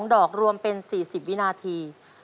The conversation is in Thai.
ดอกรวมเป็น๔๐วินาที